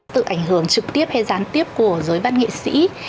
tự ảnh hưởng trực tiếp hay gián tiếp của giới văn nghệ sĩ